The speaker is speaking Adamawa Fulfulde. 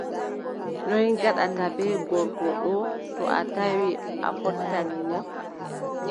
Noy ngaɗataa bee gorko ɗoo, to o tawi a fottani mo ?